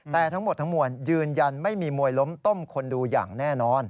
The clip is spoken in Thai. แต่ทั้งหมดทั้งมวลยืนยันไม่มีมวยล้มต้มคนดูอย่างแน่นอน